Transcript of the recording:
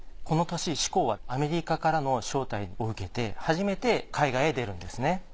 この年志功はアメリカからの招待を受けて初めて海外へ出るんですね。